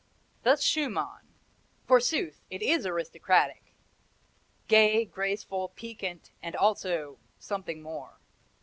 Thus Schumann. Forsooth, it is aristocratic, gay, graceful, piquant, and also something more.